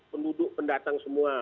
penduduk pendatang semua